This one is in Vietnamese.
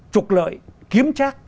trục lợi kiếm trác